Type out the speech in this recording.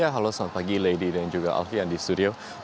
halo selamat pagi lady dan juga alfian di studio